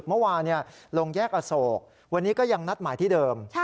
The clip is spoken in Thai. เมื่อวานี้ลงแยกอโศกแล้วงั้งเรียงนัดหมายที่เดิม